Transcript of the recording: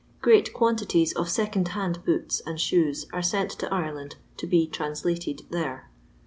Great quantities of second hand boots and shoes are sent to Ireland to be "translated" there.